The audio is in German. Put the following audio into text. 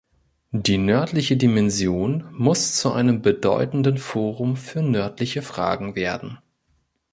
Die Nördliche Dimension muss zu einem bedeutenden Forum für nördliche Fragen werden.